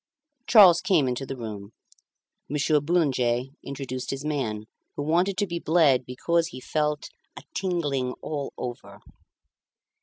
Charles came into the room. Monsieur Boulanger introduced his man, who wanted to be bled because he felt "a tingling all over."